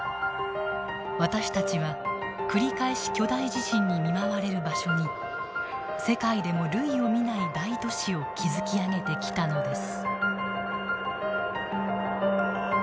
私たちは繰り返し巨大地震に見舞われる場所に世界でも類を見ない大都市を築き上げてきたのです。